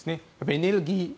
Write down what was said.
エネルギー。